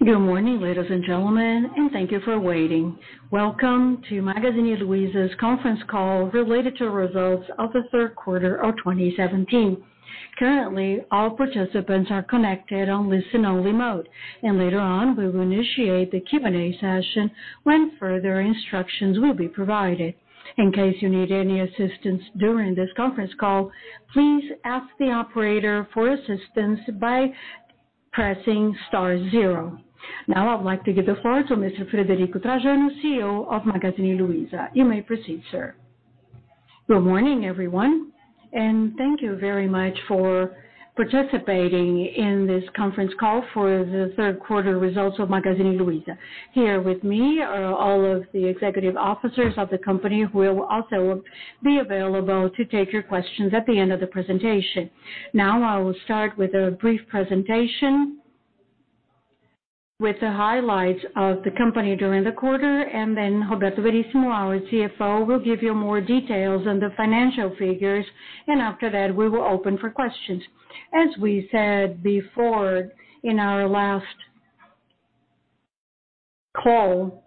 Good morning, ladies and gentlemen, and thank you for waiting. Welcome to Magazine Luiza's conference call related to results of the third quarter of 2017. Currently, all participants are connected on listen-only mode. Later on, we will initiate the Q&A session when further instructions will be provided. In case you need any assistance during this conference call, please ask the operator for assistance by pressing star zero. I would like to give the floor to Mr. Frederico Trajano, CEO of Magazine Luiza. You may proceed, sir. Good morning, everyone. Thank you very much for participating in this conference call for the third quarter results of Magazine Luiza. Here with me are all of the executive officers of the company who will also be available to take your questions at the end of the presentation. I will start with a brief presentation with the highlights of the company during the quarter. Then Roberto Bellissimo, our CFO, will give you more details on the financial figures. After that, we will open for questions. We said before in our last call,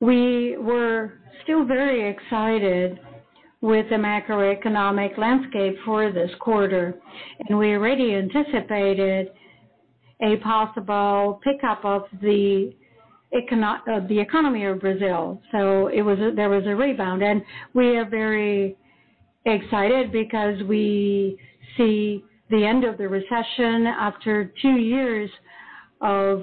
we were still very excited with the macroeconomic landscape for this quarter. We already anticipated a possible pickup of the economy of Brazil. There was a rebound. We are very excited because we see the end of the recession after 2 years of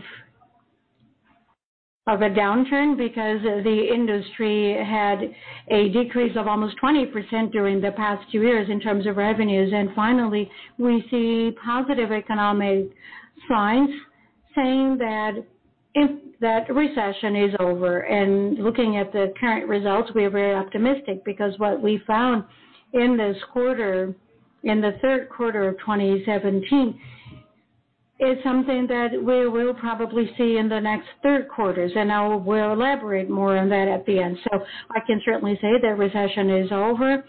a downturn because the industry had a decrease of almost 20% during the past 2 years in terms of revenues. Finally, we see positive economic signs saying that recession is over. Looking at the current results, we are very optimistic because what we found in the third quarter of 2017 is something that we will probably see in the next 3 quarters. I will elaborate more on that at the end. I can certainly say that recession is over.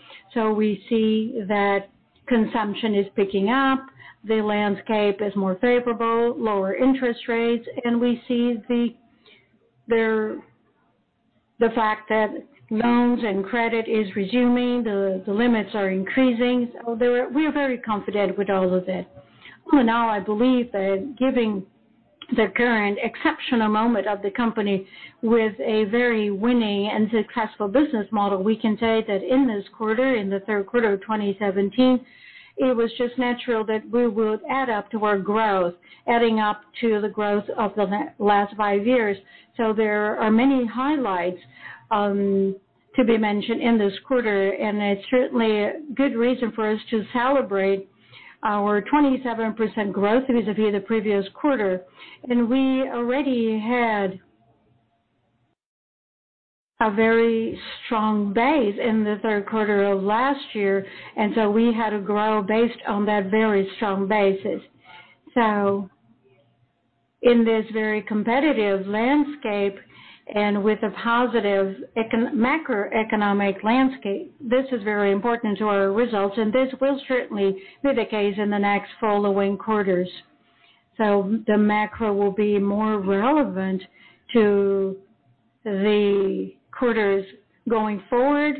We see that consumption is picking up, the landscape is more favorable, lower interest rates. We see the fact that loans and credit is resuming. The limits are increasing. We are very confident with all of it. All in all, I believe that giving the current exceptional moment of the company with a very winning and successful business model, we can say that in this quarter, in the third quarter of 2017, it was just natural that we would add up to our growth, adding up to the growth of the last 5 years. There are many highlights to be mentioned in this quarter. It's certainly a good reason for us to celebrate our 27% growth vis-à-vis the previous quarter. We already had a very strong base in the third quarter of last year. So we had to grow based on that very strong basis. In this very competitive landscape with a positive macroeconomic landscape, this is very important to our results. This will certainly be the case in the next following quarters. The macro will be more relevant to the quarters going forward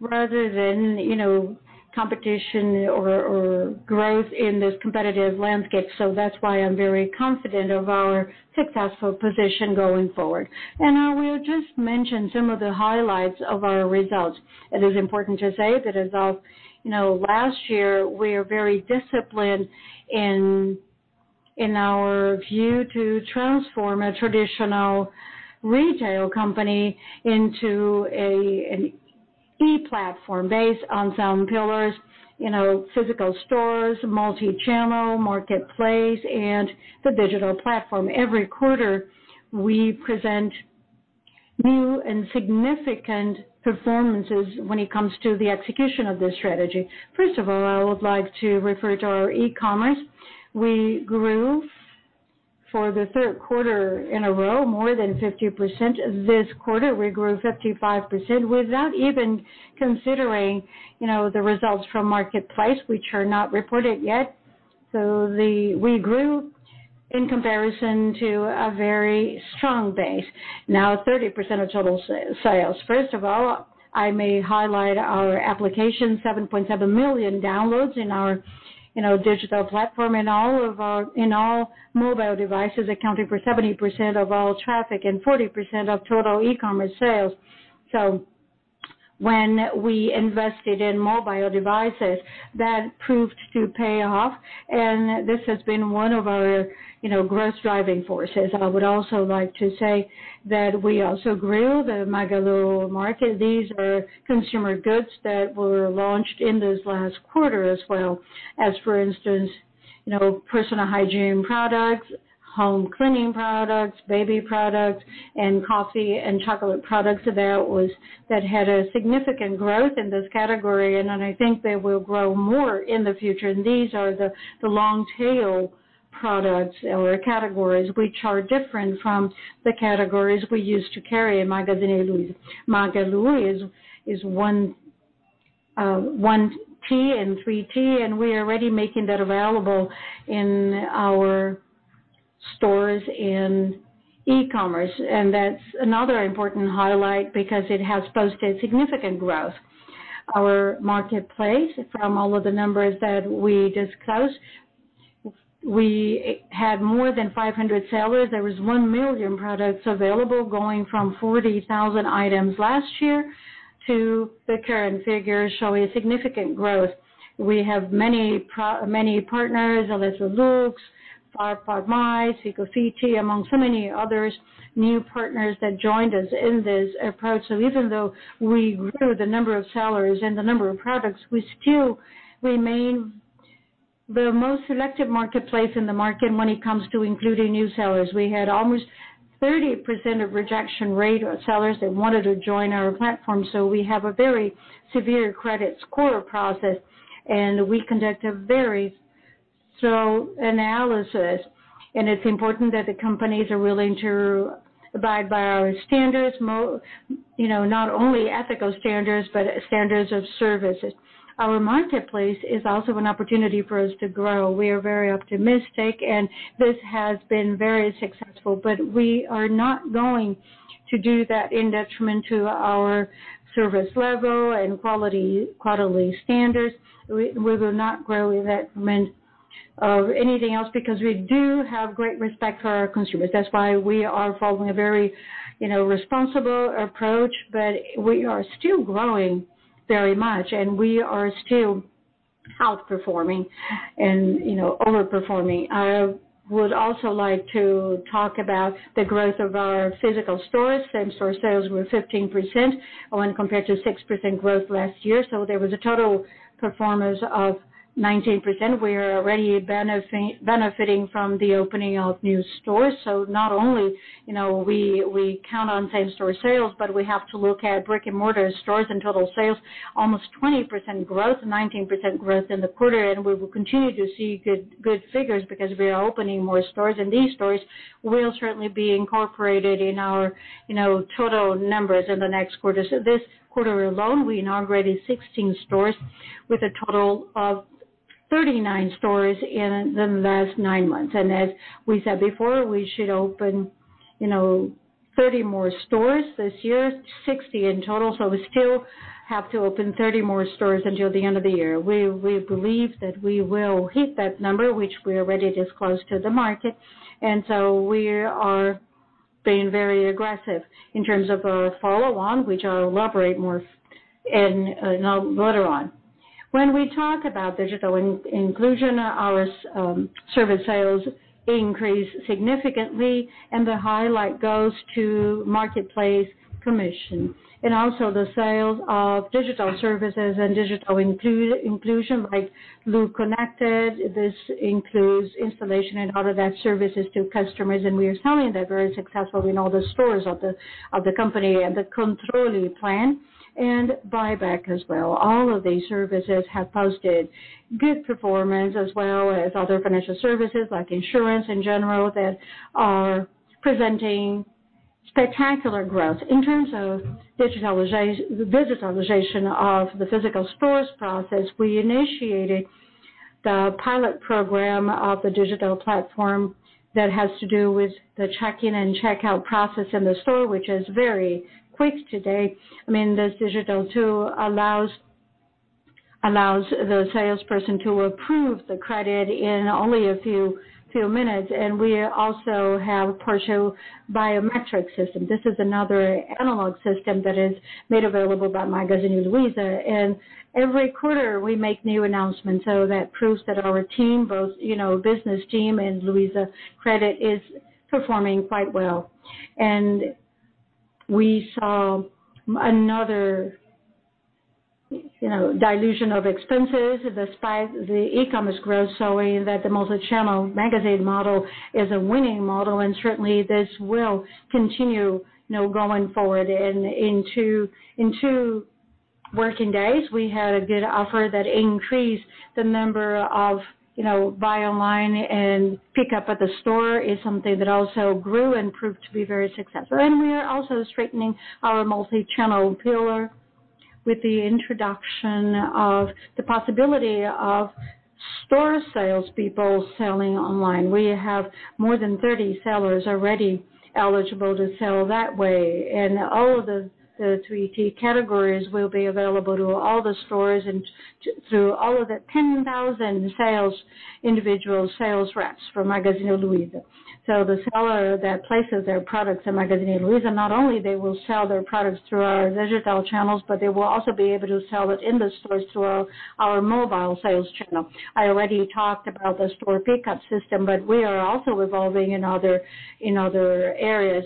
rather than competition or growth in this competitive landscape. That's why I'm very confident of our successful position going forward. I will just mention some of the highlights of our results. It is important to say that as of last year, we are very disciplined in our view to transform a traditional retail company into an e-platform based on some pillars: physical stores, multi-channel Marketplace, and the digital platform. Every quarter, we present new and significant performances when it comes to the execution of this strategy. I would like to refer to our e-commerce. We grew for the 3rd quarter in a row more than 50%. This quarter, we grew 55% without even considering the results from Marketplace, which are not reported yet. We grew in comparison to a very strong base. Now 30% of total sales. I may highlight our application, 7.7 million downloads in our digital platform in all mobile devices, accounting for 70% of all traffic and 40% of total e-commerce sales. When we invested in mobile devices, that proved to pay off, and this has been one of our growth driving forces. I would also like to say that we also grew the Magalu Market. These are consumer goods that were launched in this last quarter as well as, for instance, personal hygiene products, home cleaning products, baby products, and coffee and chocolate products that had a significant growth in this category. I think they will grow more in the future. These are the long-tail products or categories which are different from the categories we used to carry in Magalu. Magalu is 1P and 3P, we are already making that available in our stores and e-commerce. That's another important highlight because it has posted significant growth. Our Marketplace, from all of the numbers that we disclosed, we had more than 500 sellers. There was 1 million products available, going from 40,000 items last year to the current figures, showing significant growth. We have many partners, [Alisah Looks], Farfar, [inaudible] [Chico City], among so many others, new partners that joined us in this approach. Even though we grew the number of sellers and the number of products, we still remain the most selective Marketplace in the market when it comes to including new sellers. We had almost 30% of rejection rate of sellers that wanted to join our platform. We have a very severe credit score process, and we conduct a very thorough analysis. It's important that the companies are willing to abide by our standards, not only ethical standards, but standards of services. Our Marketplace is also an opportunity for us to grow. We are very optimistic, and this has been very successful. We are not going to do that in detriment to our service level and quality standards. We will not grow in detriment of anything else because we do have great respect for our consumers. That's why we are following a very responsible approach, but we are still growing very much, and we are still outperforming and over-performing. I would also like to talk about the growth of our physical stores. Same-store sales were 15% when compared to 6% growth last year. There was a total performance of 19%. We are already benefiting from the opening of new stores. Not only we count on same-store sales, but we have to look at brick-and-mortar stores and total sales, almost 20% growth, 19% growth in the quarter, and we will continue to see good figures because we are opening more stores. These stores will certainly be incorporated in our total numbers in the next quarter. This quarter alone, we inaugurated 16 stores with a total of 39 stores in the last nine months. As we said before, we should open 30 more stores this year, 60 in total. We still have to open 30 more stores until the end of the year. We believe that we will hit that number, which we already disclosed to the market. We are being very aggressive in terms of our follow-on, which I'll elaborate more later on. When we talk about digital inclusion, our service sales increased significantly, and the highlight goes to marketplace commission. Also the sales of digital services and digital inclusion, like Lu Conecta. This includes installation and other services to customers. We are selling that very successfully in all the stores of the company and the controlling plan and buyback as well. All of these services have posted good performance, as well as other financial services like insurance in general that are presenting spectacular growth. In terms of digitalization of the physical stores process, we initiated the pilot program of the digital platform that has to do with the check-in and checkout process in the store, which is very quick today. This digital tool allows the salesperson to approve the credit in only a few minutes. We also have partial biometric system. This is another analog system that is made available by Magazine Luiza. Every quarter we make new announcements. That proves that our team, both business team and Luizacred, is performing quite well. We saw another dilution of expenses despite the e-commerce growth, showing that the multi-channel Magalu model is a winning model. Certainly this will continue going forward. In two working days, we had a good offer that increased the number of buy online and pick up at the store is something that also grew and proved to be very successful. We are also strengthening our multi-channel pillar with the introduction of the possibility of store salespeople selling online. We have more than 30 sellers already eligible to sell that way. All of the 3P categories will be available to all the stores and through all of the 10,000 individual sales reps from Magazine Luiza. The seller that places their products in Magazine Luiza, not only they will sell their products through our digital channels, but they will also be able to sell it in the stores through our mobile sales channel. I already talked about the store pickup system, but we are also evolving in other areas.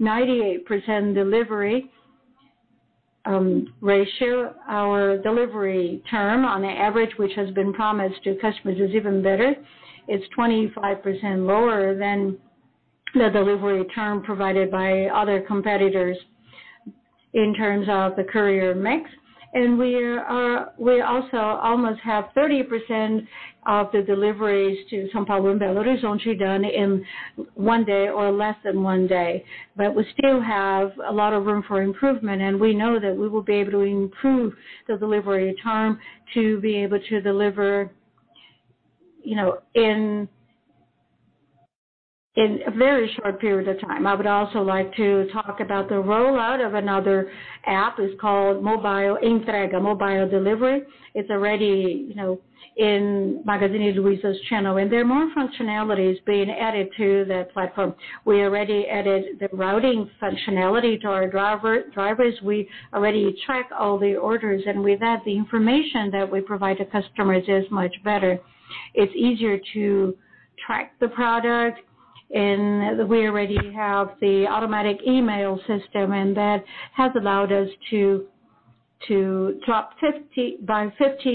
98% delivery ratio. Our delivery term on average, which has been promised to customers, is even better. It's 25% lower than the delivery term provided by other competitors in terms of the courier mix. We also almost have 30% of the deliveries to São Paulo and Belo Horizonte done in one day or less than one day. We still have a lot of room for improvement, and we know that we will be able to improve the delivery term to be able to deliver in a very short period of time. I would also like to talk about the rollout of another app. It's called Mobile Entrega, Mobile Delivery. It's already in Magazine Luiza's channel, and there are more functionalities being added to the platform. We already added the routing functionality to our drivers. We already track all the orders, and with that, the information that we provide to customers is much better. It's easier to track the product, and we already have the automatic email system, and that has allowed us to drop by 56%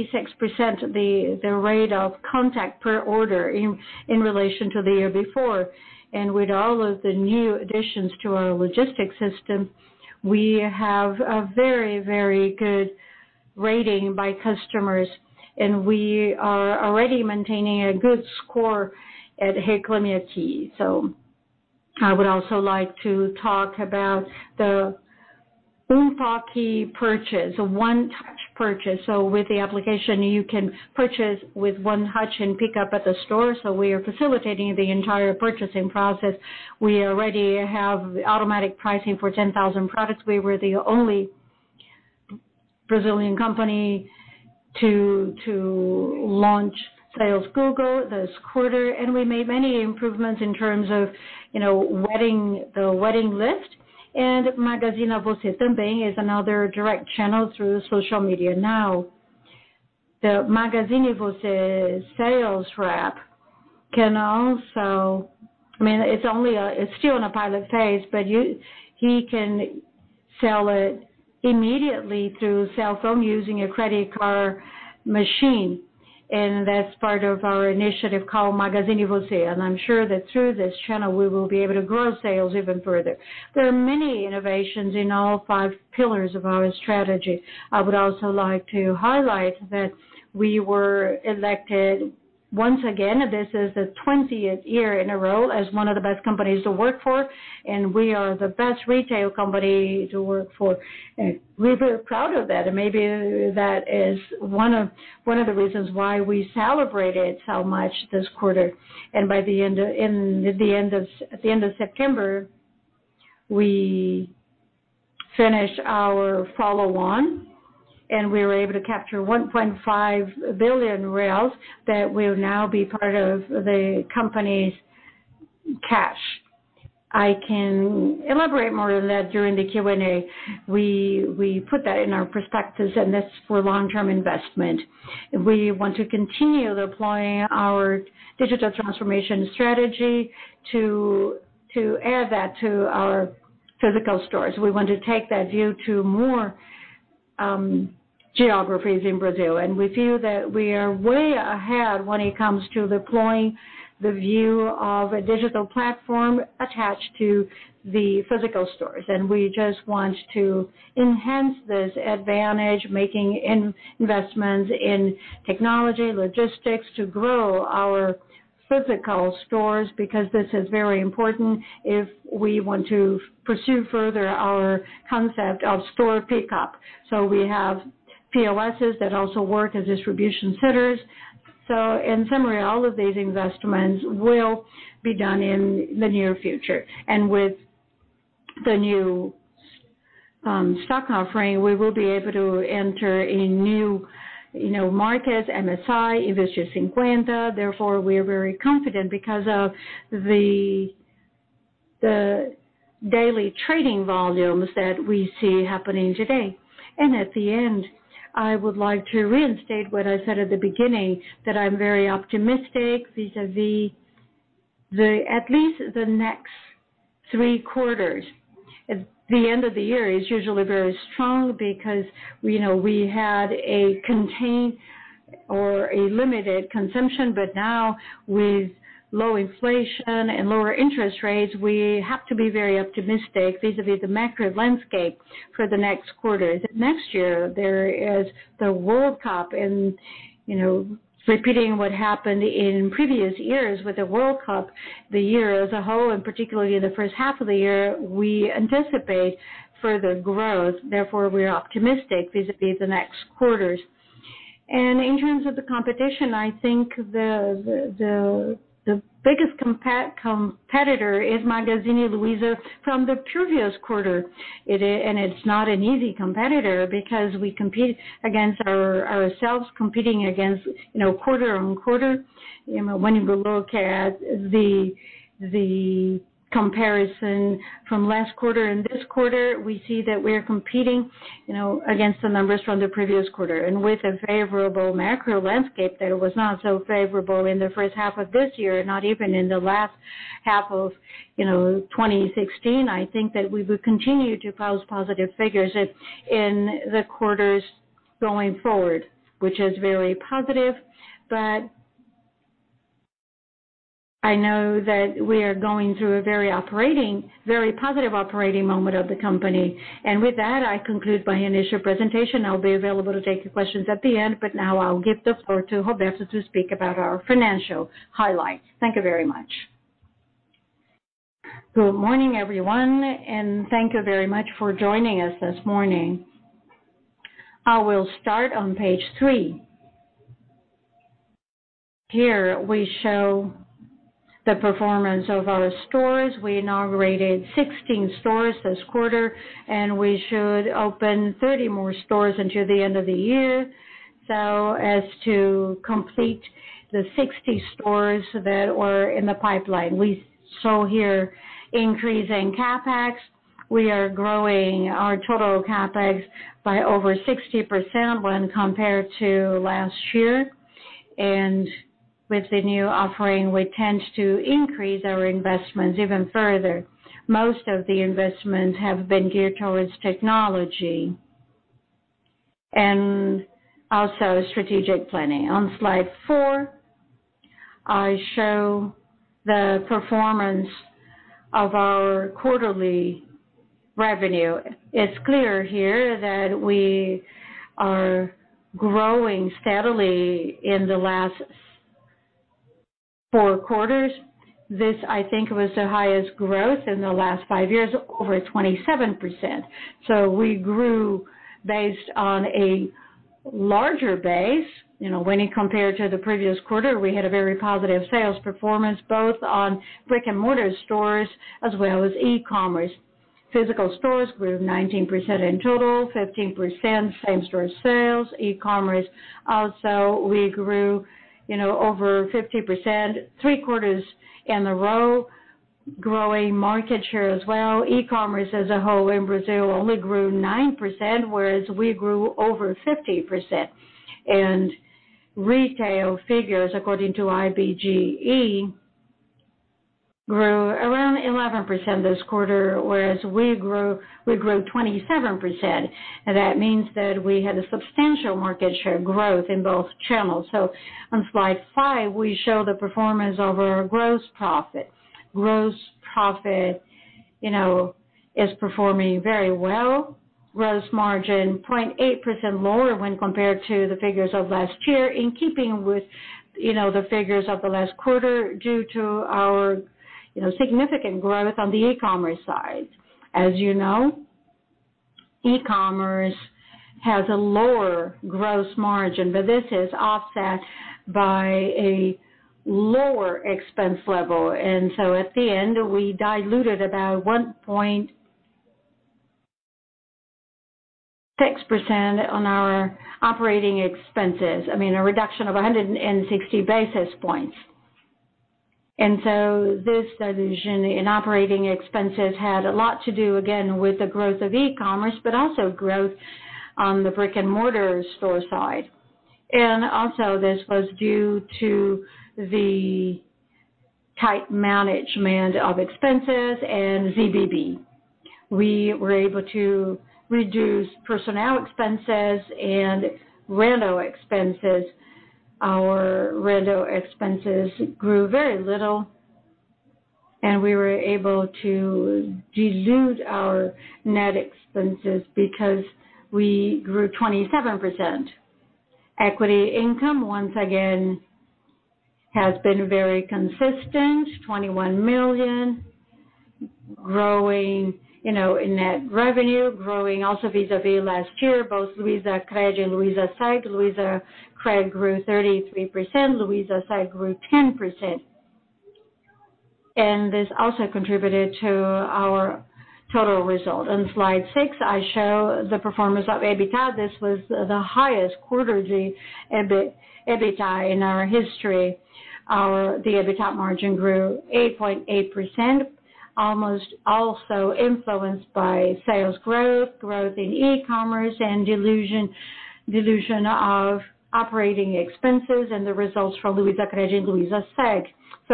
the rate of contact per order in relation to the year before. With all of the new additions to our logistics system, we have a very good rating by customers, and we are already maintaining a good score at Reclame Aqui. I would also like to talk about the um toque purchase, a one-touch purchase. With the application, you can purchase with one touch and pick up at the store. We are facilitating the entire purchasing process. We already have automatic pricing for 10,000 products. We were the only Brazilian company to launch Google Shopping this quarter, and we made many improvements in terms of the wedding list. Magazine Você is another direct channel through social media. Now, the Magazine Você sales rep can also. It's still in a pilot phase, but he can sell it immediately through cell phone using a credit card machine. That's part of our initiative called Magazine Você. I'm sure that through this channel, we will be able to grow sales even further. There are many innovations in all five pillars of our strategy. I would also like to highlight that we were elected once again, this is the 20th year in a row, as one of the best companies to work for, and we are the best retail company to work for. We're very proud of that. Maybe that is one of the reasons why we celebrated so much this quarter. At the end of September, we finished our follow-on, and we were able to capture 1.5 billion that will now be part of the company's cash. I can elaborate more on that during the Q&A. We put that in our perspectives, and that's for long-term investment. We want to continue deploying our digital transformation strategy to add that to our physical stores. We want to take that view to more geographies in Brazil. We view that we are way ahead when it comes to deploying the view of a digital platform attached to the physical stores. We just want to enhance this advantage, making investments in technology, logistics to grow our physical stores, because this is very important if we want to pursue further our concept of store pickup. We have PLSs that also work as distribution centers. In summary, all of these investments will be done in the near future. With the new stock offering, we will be able to enter a new market, MSCI, IBrX 50. Therefore, we are very confident because of the daily trading volumes that we see happening today. At the end, I would like to reinstate what I said at the beginning, that I'm very optimistic vis-a-vis at least the next 3 quarters. The end of the year is usually very strong because we had a contained or a limited consumption. Now, with low inflation and lower interest rates, we have to be very optimistic vis-a-vis the macro landscape for the next quarters. Next year, there is the World Cup. Repeating what happened in previous years with the World Cup, the year as a whole, and particularly the first half of the year, we anticipate further growth. Therefore, we are optimistic vis-a-vis the next quarters. In terms of the competition, I think the biggest competitor is Magazine Luiza from the previous quarter. It's not an easy competitor because we compete against ourselves, competing against quarter on quarter. When you look at the comparison from last quarter and this quarter, we see that we're competing against the numbers from the previous quarter. With a favorable macro landscape that was not so favorable in the first half of this year, not even in the last half of 2016, I think that we would continue to post positive figures in the quarters going forward, which is very positive. I know that we are going through a very positive operating moment of the company. With that, I conclude my initial presentation. I'll be available to take your questions at the end, but now I'll give the floor to Roberto to speak about our financial highlights. Thank you very much. Good morning, everyone, and thank you very much for joining us this morning. I will start on page three. Here, we show the performance of our stores. We inaugurated 16 stores this quarter, we should open 30 more stores until the end of the year, so as to complete the 60 stores that were in the pipeline. We show here increase in CapEx. We are growing our total CapEx by over 60% when compared to last year. With the new offering, we tend to increase our investments even further. Most of the investments have been geared towards technology and also strategic planning. On slide four, I show the performance of our quarterly revenue. It's clear here that we are growing steadily in the last 4 quarters. This, I think, was the highest growth in the last 5 years, over 27%. We grew based on a larger base. When compared to the previous quarter, we had a very positive sales performance, both on brick-and-mortar stores as well as e-commerce. Physical stores grew 19% in total, 15% same-store sales. E-commerce also, we grew over 50%, 3 quarters in a row, growing market share as well. E-commerce as a whole in Brazil only grew 9%, whereas we grew over 50%. Retail figures, according to IBGE, grew around 11% this quarter, whereas we grew 27%, that means that we had a substantial market share growth in both channels. On slide five, we show the performance of our gross profit. Gross profit is performing very well. Gross margin, 0.8% lower when compared to the figures of last year in keeping with the figures of the last quarter due to our significant growth on the e-commerce side. As you know, e-commerce has a lower gross margin, this is offset by a lower expense level. At the end, we diluted about 1.6% on our operating expenses, I mean, a reduction of 160 basis points. This division in operating expenses had a lot to do, again, with the growth of e-commerce, but also growth on the brick-and-mortar store side. This was due to the tight management of expenses and ZBB. We were able to reduce personnel expenses and rental expenses. Our rental expenses grew very little, and we were able to dilute our net expenses because we grew 27%. Equity income, once again, has been very consistent, 21 million. Growing in net revenue, growing also vis-à-vis last year, both Luizacred and Luizaseg. Luizacred grew 33%, Luizaseg grew 10%. This also contributed to our total result. On slide six, I show the performance of EBITDA. This was the highest quarterly EBITDA in our history. The EBITDA margin grew 8.8%, almost also influenced by sales growth in e-commerce, and dilution of operating expenses and the results from Luizacred and Luizaseg.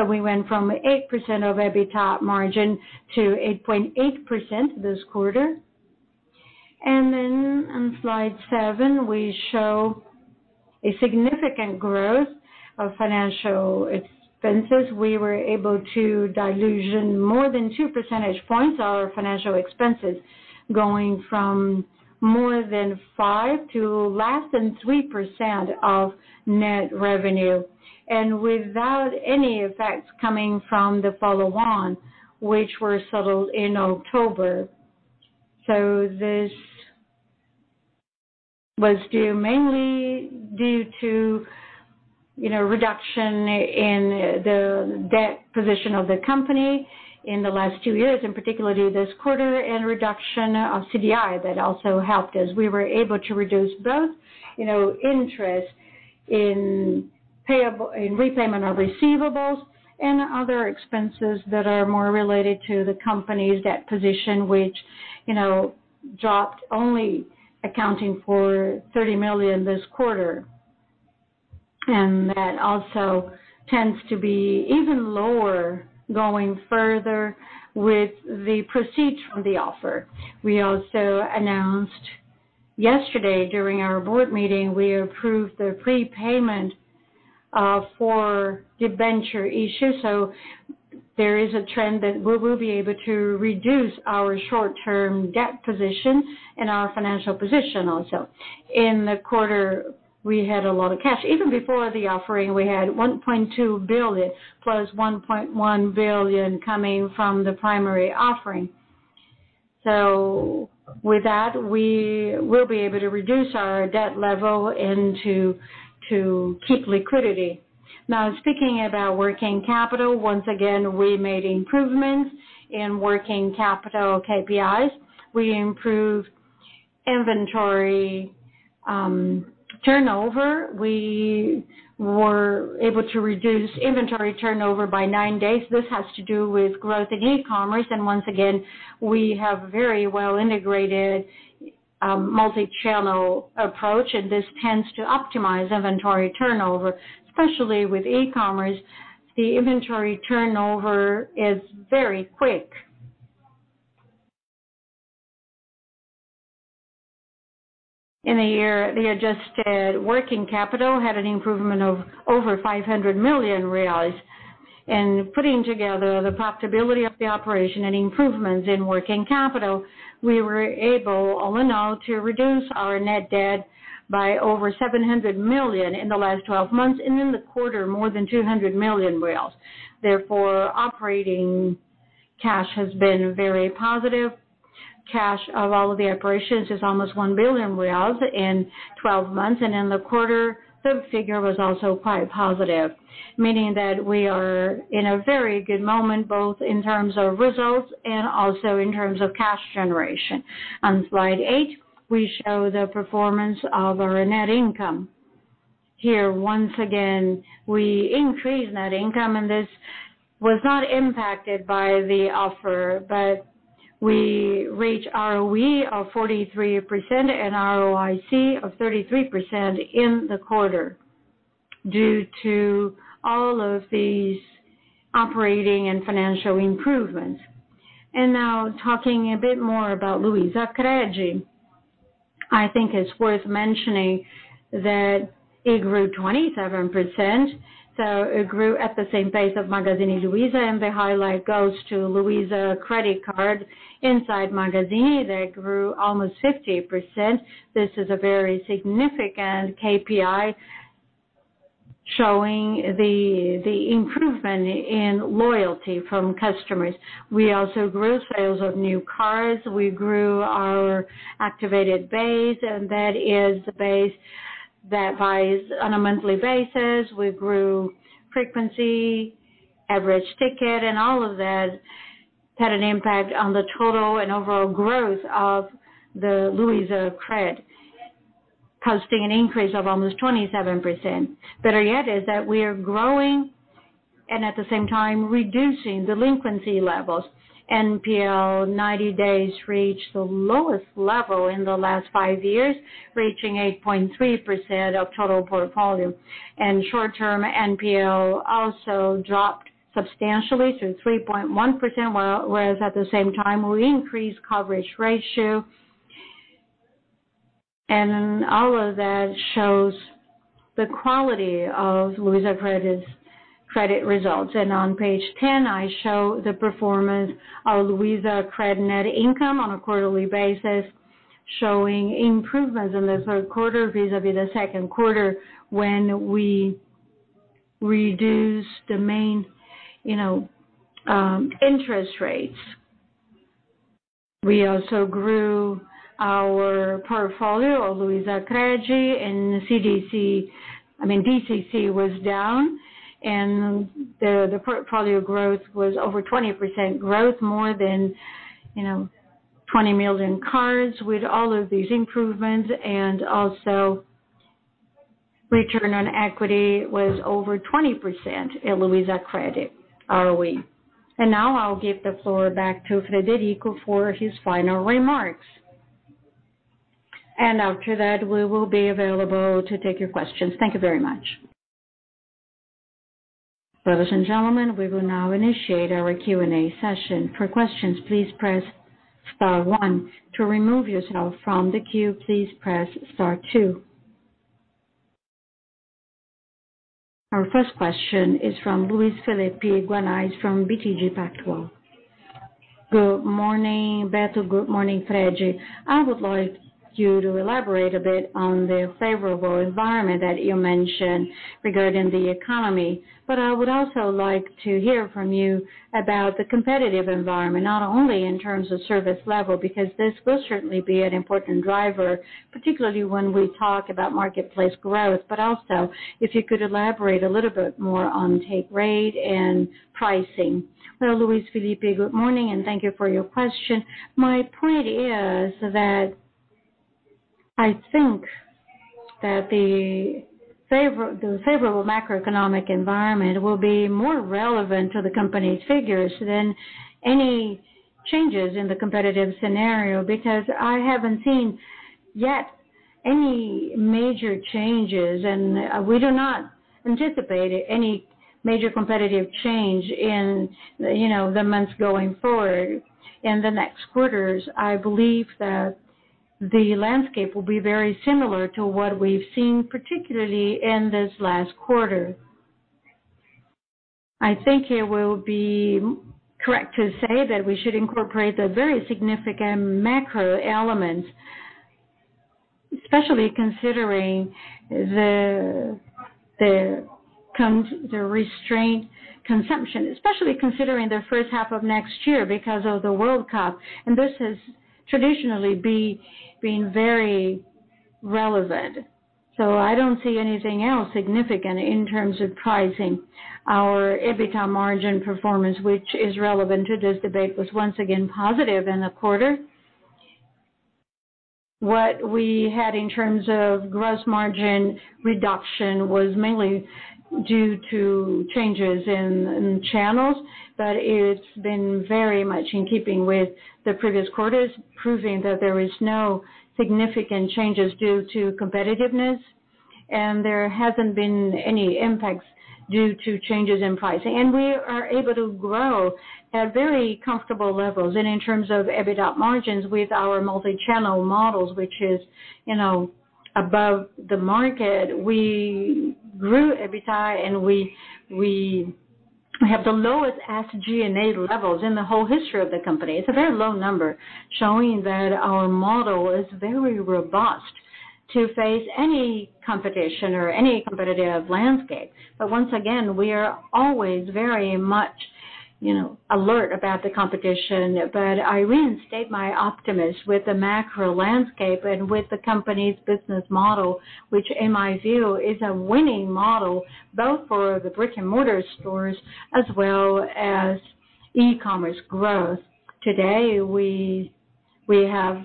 We went from 8% of EBITDA margin to 8.8% this quarter. On slide seven, we show a significant growth of financial expenses. We were able to dilution more than two percentage points our financial expenses, going from more than 5% to less than 3% of net revenue. Without any effects coming from the follow-on, which were settled in October. This was due mainly to reduction in the debt position of the company in the last two years, in particular due to this quarter, and reduction of CDI. That also helped as we were able to reduce both interest in repayment of receivables and other expenses that are more related to the company's debt position, which dropped only accounting for 30 million this quarter. That also tends to be even lower going further with the proceeds from the offer. We also announced yesterday during our board meeting, we approved the prepayment for debenture issue. There is a trend that we will be able to reduce our short-term debt position and our financial position also. In the quarter, we had a lot of cash. Even before the offering, we had 1.2 billion plus 1.1 billion coming from the primary offering. With that, we will be able to reduce our debt level and to keep liquidity. Now, speaking about working capital, once again, we made improvements in working capital KPIs. We improved inventory turnover. We were able to reduce inventory turnover by nine days. This has to do with growth in e-commerce, and once again, we have very well integrated multichannel approach, and this tends to optimize inventory turnover. Especially with e-commerce, the inventory turnover is very quick. In a year, the adjusted working capital had an improvement of over 500 million reais. Putting together the profitability of the operation and improvements in working capital, we were able, all in all, to reduce our net debt by over 700 million in the last 12 months, and in the quarter, more than 200 million. Therefore, operating cash has been very positive. Cash of all of the operations is almost BRL 1 billion in 12 months. In the quarter, the figure was also quite positive, meaning that we are in a very good moment, both in terms of results and also in terms of cash generation. On slide eight, we show the performance of our net income. Here, once again, we increased net income. This was not impacted by the offer. We reached ROE of 43% and ROIC of 33% in the quarter due to all of these operating and financial improvements. Now talking a bit more about Luizacred, I think it's worth mentioning that it grew 27%. It grew at the same pace of Magazine Luiza. The highlight goes to Cartão Luiza inside Magazine Luiza. They grew almost 50%. This is a very significant KPI showing the improvement in loyalty from customers. We also grew sales of new cards. We grew our activated base. That is the base that buys on a monthly basis. We grew frequency, average ticket. All of that had an impact on the total and overall growth of the Luizacred, costing an increase of almost 27%. Better yet is that we are growing and at the same time reducing delinquency levels. NPL 90 days reached the lowest level in the last five years, reaching 8.3% of total portfolio. Short-term NPL also dropped substantially to 3.1%, whereas at the same time, we increased coverage ratio. All of that shows the quality of Luizacred's credit results. On page 10, I show the performance of Luizacred net income on a quarterly basis, showing improvements in the third quarter vis-à-vis the second quarter when we reduced the main interest rates. We also grew our portfolio of Luizacred. DCC was down. The portfolio growth was over 20% growth, more than 20 million cards with all of these improvements. Also, return on equity was over 20% in Luizacred ROE. Now I'll give the floor back to Frederico for his final remarks. After that, we will be available to take your questions. Thank you very much. Brothers and gentlemen, we will now initiate our Q&A session. For questions, please press star one. To remove yourself from the queue, please press star two. Our first question is from Luiz Felipe Guanais from BTG Pactual. Good morning, Beto. Good morning, Fred. I would like you to elaborate a bit on the favorable environment that you mentioned regarding the economy. I would also like to hear from you about the competitive environment, not only in terms of service level, because this will certainly be an important driver, particularly when we talk about Magalu Marketplace growth. If you could elaborate a little bit more on take rate and pricing. Well, Luiz Felipe, good morning. Thank you for your question. My point is that I think that the favorable macroeconomic environment will be more relevant to the company's figures than any changes in the competitive scenario. I haven't seen yet any major changes. We do not anticipate any major competitive change in the months going forward in the next quarters. I believe that the landscape will be very similar to what we've seen, particularly in this last quarter. I think it will be correct to say that we should incorporate the very significant macro elements. Especially considering the restrained consumption, especially considering the first half of next year because of the World Cup, this has traditionally been very relevant. I don't see anything else significant in terms of pricing. Our EBITDA margin performance, which is relevant to this debate, was once again positive in the quarter. What we had in terms of gross margin reduction was mainly due to changes in channels, but it's been very much in keeping with the previous quarters, proving that there is no significant changes due to competitiveness. There hasn't been any impacts due to changes in pricing. We are able to grow at very comfortable levels. In terms of EBITDA margins with our multi-channel models, which is above the market, we grew EBITDA, and we have the lowest SG&A levels in the whole history of the company. It's a very low number, showing that our model is very robust to face any competition or any competitive landscape. Once again, we are always very much alert about the competition. I reinstate my optimism with the macro landscape and with the company's business model, which in my view is a winning model, both for the brick-and-mortar stores as well as e-commerce growth. Today, we have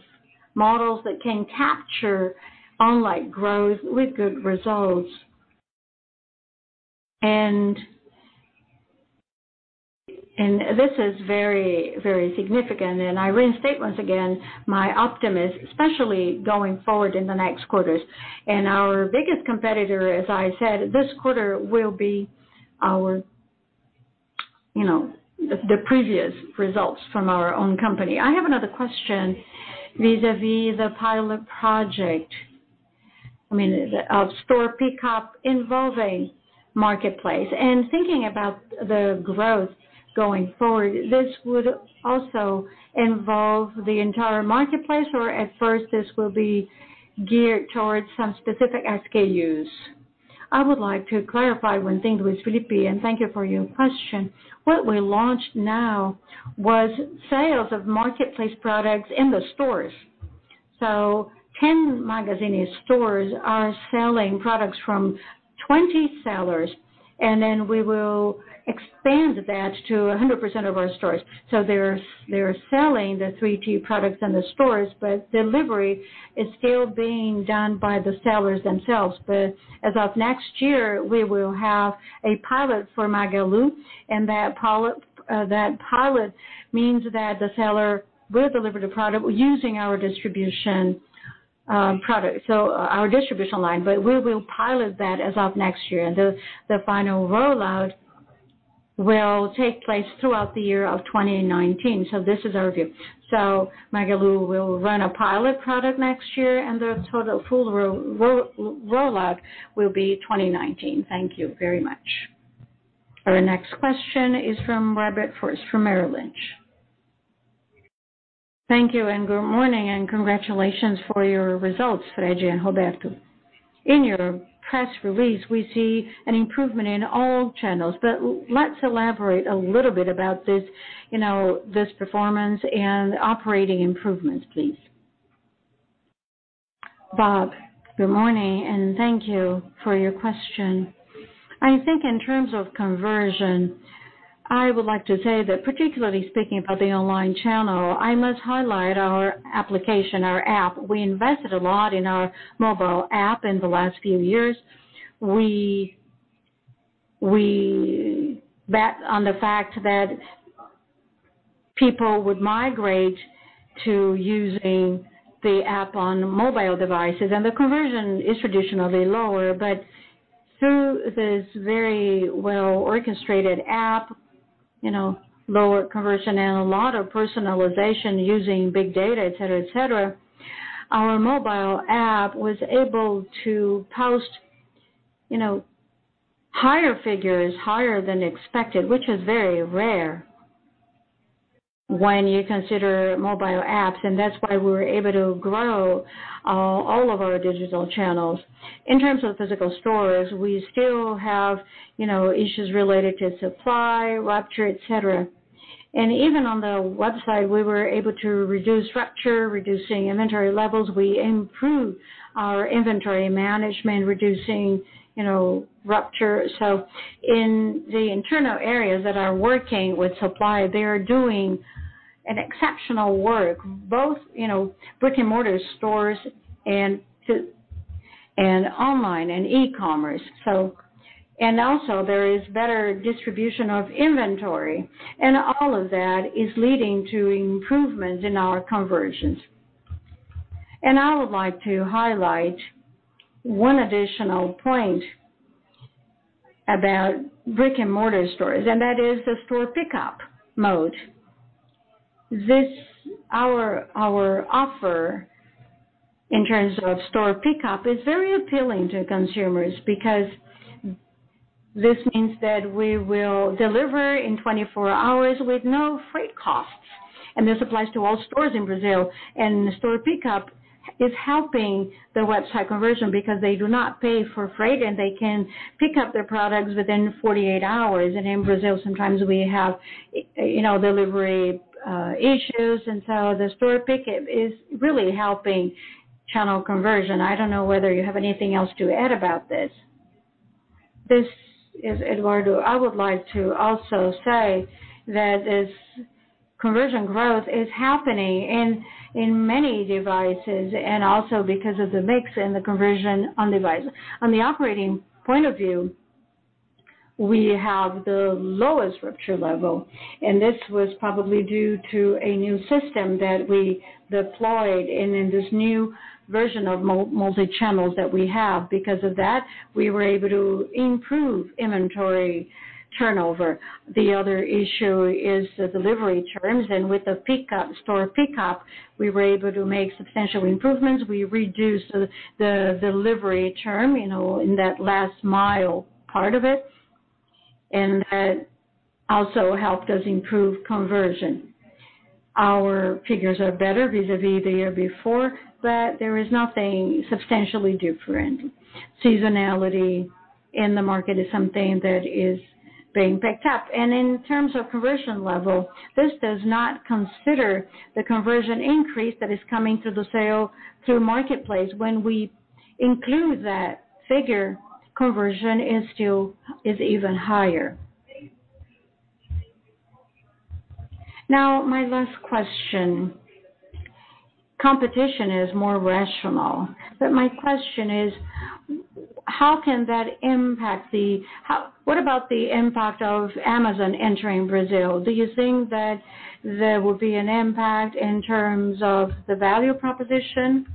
models that can capture online growth with good results. This is very significant, and I reinstate once again my optimism, especially going forward in the next quarters. Our biggest competitor, as I said, this quarter will be the previous results from our own company. I have another question vis-a-vis the pilot project of store pickup involving marketplace. Thinking about the growth going forward, this would also involve the entire marketplace, or at first, this will be geared towards some specific SKUs? I would like to clarify one thing with Felipe, and thank you for your question. What we launched now was sales of marketplace products in the stores. 10 Magazine stores are selling products from 20 sellers, and then we will expand that to 100% of our stores. They're selling the 3P products in the stores, but delivery is still being done by the sellers themselves. As of next year, we will have a pilot for Magalu, and that pilot means that the seller will deliver the product using our distribution line. We will pilot that as of next year. The final rollout will take place throughout the year of 2019. This is our view. Magalu will run a pilot product next year and the total full rollout will be 2019. Thank you very much. Our next question is from Robert Ford from Merrill Lynch. Thank you, and good morning, and congratulations for your results, Fred and Roberto. In your press release, we see an improvement in all channels. Let's elaborate a little bit about this performance and operating improvements, please. Bob, good morning, and thank you for your question. I think in terms of conversion, I would like to say that particularly speaking about the online channel, I must highlight our application, our app. We invested a lot in our mobile app in the last few years. We bet on the fact that people would migrate to using the app on mobile devices. The conversion is traditionally lower. Through this very well-orchestrated app, lower conversion and a lot of personalization using big data, et cetera. Our mobile app was able to post higher figures, higher than expected, which is very rare when you consider mobile apps. That's why we were able to grow all of our digital channels. In terms of physical stores, we still have issues related to supply rupture, et cetera. Even on the website, we were able to reduce rupture, reducing inventory levels. We improved our inventory management, reducing rupture. In the internal areas that are working with supply, they are doing an exceptional work, both brick-and-mortar stores and online and e-commerce. Also there is better distribution of inventory. All of that is leading to improvements in our conversions. I would like to highlight one additional point about brick-and-mortar stores, and that is the store pickup mode. Our offer in terms of store pickup is very appealing to consumers because this means that we will deliver in 24 hours with no freight costs, and this applies to all stores in Brazil. Store pickup is helping the website conversion because they do not pay for freight, and they can pick up their products within 48 hours. In Brazil, sometimes we have delivery issues. The store pickup is really helping channel conversion. I don't know whether you have anything else to add about this. This is Eduardo. I would like to also say that this conversion growth is happening in many devices and also because of the mix and the conversion on device. On the operating point of view, we have the lowest rupture level. This was probably due to a new system that we deployed and in this new version of multi-channels that we have. Because of that, we were able to improve inventory turnover. The other issue is the delivery terms. With the store pickup, we were able to make substantial improvements. We reduced the delivery term in that last mile part of it. That also helped us improve conversion. Our figures are better vis-a-vis the year before. There is nothing substantially different. Seasonality in the market is something that is being picked up. In terms of conversion level, this does not consider the conversion increase that is coming to the sale through Magalu Marketplace. When we include that figure, conversion is even higher. My last question. Competition is more rational. My question is, what about the impact of Amazon entering Brazil? Do you think that there will be an impact in terms of the value proposition?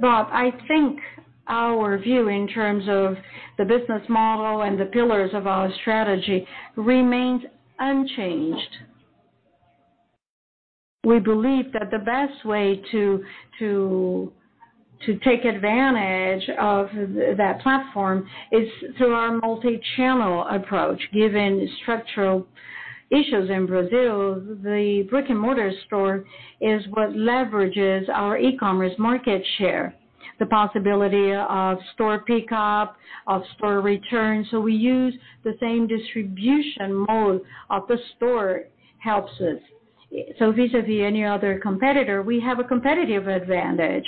Bob, I think our view in terms of the business model and the pillars of our strategy remains unchanged. We believe that the best way to take advantage of that platform is through our multi-channel approach. Given structural issues in Brazil, the brick-and-mortar store is what leverages our e-commerce market share, the possibility of store pickup, of store returns. We use the same distribution mode of the store helps us. Vis-a-vis any other competitor, we have a competitive advantage,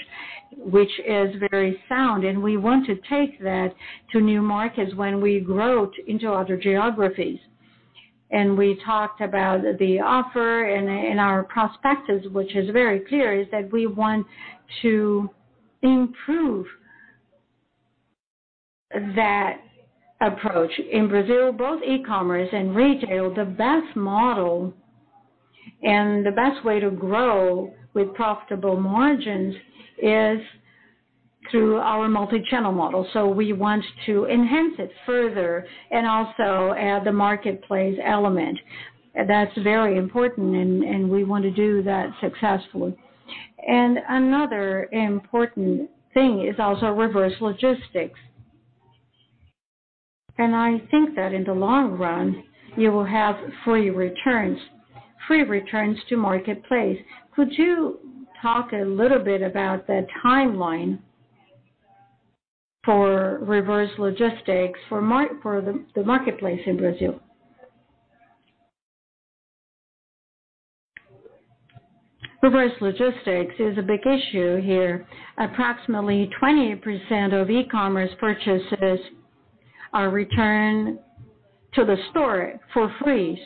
which is very sound. We want to take that to new markets when we grow into other geographies. We talked about the offer and our prospectus, which is very clear, is that we want to improve that approach. In Brazil, both e-commerce and retail, the best model and the best way to grow with profitable margins is through our multi-channel model. We want to enhance it further and also add the marketplace element. That is very important, and we want to do that successfully. Another important thing is also reverse logistics. I think that in the long run, you will have free returns to marketplace. Could you talk a little bit about the timeline for reverse logistics for the marketplace in Brazil? Reverse logistics is a big issue here. Approximately 20% of e-commerce purchases are returned to the store for free.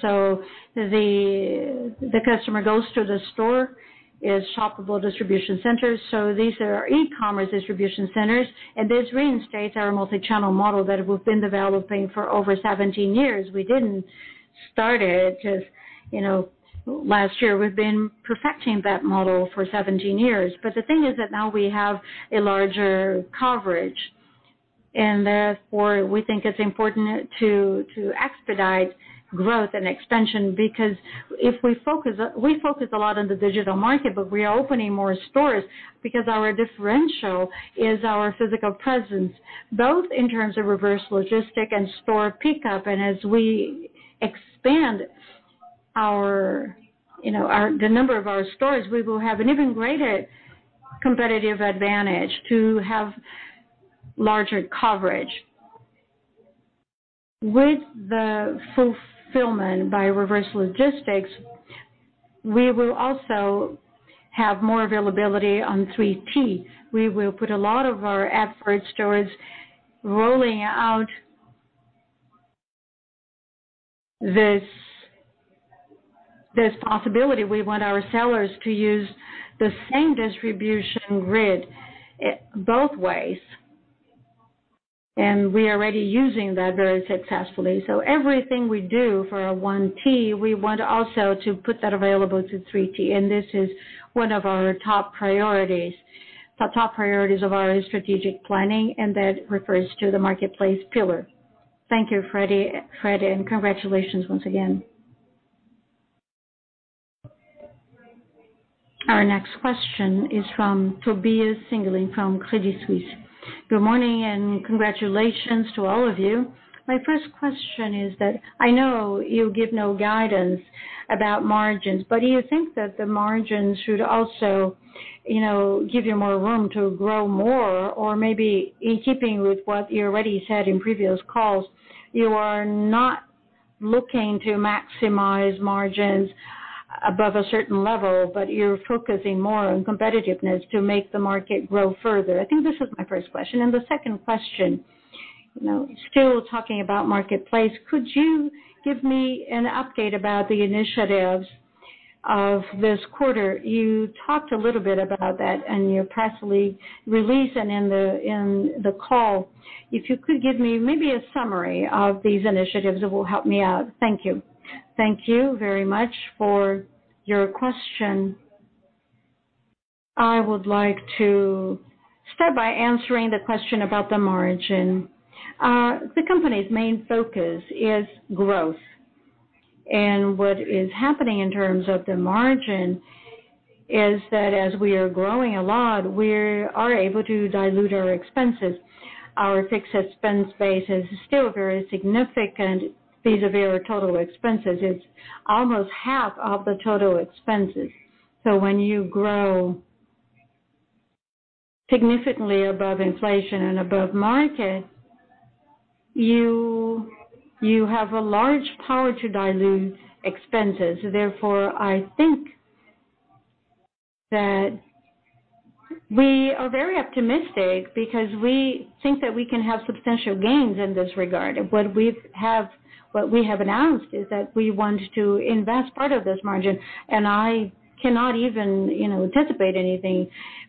The customer goes to the store. It is shoppable distribution centers. These are our e-commerce distribution centers, and this reinstates our multi-channel model that we have been developing for over 17 years. We did not start it just last year. We have been perfecting that model for 17 years. The thing is that now we have a larger coverage, and therefore we think it is important to expedite growth and expansion because we focus a lot on the digital market, but we are opening more stores because our differential is our physical presence, both in terms of reverse logistic and store pickup. As we expand the number of our stores, we will have an even greater competitive advantage to have larger coverage. With the fulfillment by reverse logistics, we will also have more availability on 3P. We will put a lot of our efforts towards rolling out this possibility. We want our sellers to use the same distribution grid both ways, and we are already using that very successfully. Everything we do for our 1P, we want also to put that available to 3P, and this is one of our top priorities of our strategic planning, and that refers to the marketplace pillar. Thank you, Fred, and congratulations once again. Our next question is from Tobias Stingelin from Credit Suisse. Good morning and congratulations to all of you. My first question is that I know you give no guidance about margins, but do you think that the margins should also give you more room to grow more? Or maybe in keeping with what you already said in previous calls, you are not looking to maximize margins above a certain level, but you are focusing more on competitiveness to make the market grow further. I think this is my first question. The second question, still talking about Marketplace, could you give me an update about the initiatives of this quarter? You talked a little bit about that in your press release and in the call. If you could give me maybe a summary of these initiatives, it will help me out. Thank you. Thank you very much for your question. I would like to start by answering the question about the margin. The company's main focus is growth. What is happening in terms of the margin is that as we are growing a lot, we are able to dilute our expenses. Our fixed spend base is still very significant vis-a-vis our total expenses. It is almost half of the total expenses. When you grow significantly above inflation and above market, you have a large power to dilute expenses. I think that we are very optimistic because we think that we can have substantial gains in this regard. What we have announced is that we want to invest part of this margin, and I cannot even anticipate anything,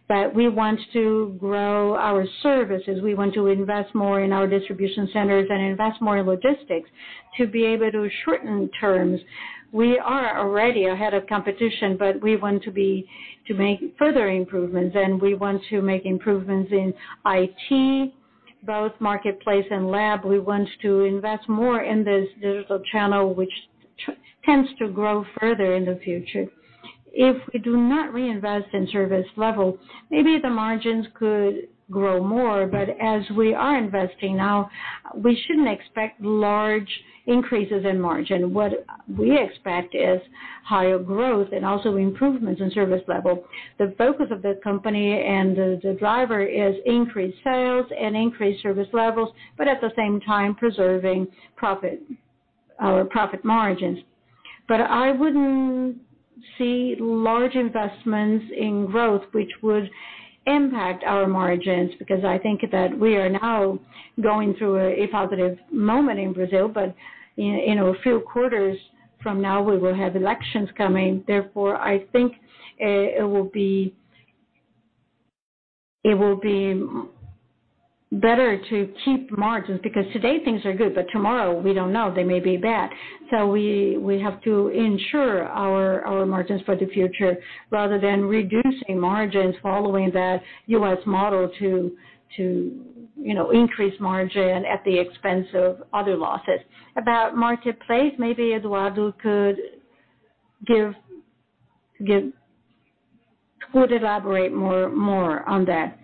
but we want to grow our services. We want to invest more in our distribution centers and invest more in logistics to be able to shorten terms. We are already ahead of competition, but we want to make further improvements, and we want to make improvements in IT, both Magalu Marketplace and LuizaLabs. We want to invest more in this digital channel, which tends to grow further in the future. If we do not reinvest in service levels, maybe the margins could grow more, but as we are investing now, we shouldn't expect large increases in margin. What we expect is higher growth and also improvements in service level. The focus of the company and the driver is increased sales and increased service levels, but at the same time preserving profit margins. I wouldn't see large investments in growth, which would impact our margins, because I think that we are now going through a positive moment in Brazil, but in a few quarters from now, we will have elections coming. I think it will be better to keep margins, because today things are good, but tomorrow, we don't know, they may be bad. We have to ensure our margins for the future rather than reducing margins following that U.S. model to increase margin at the expense of other losses. About Magalu Marketplace, maybe Eduardo could elaborate more on that.